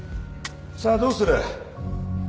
さあどうする？